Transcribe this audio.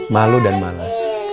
malu dan malas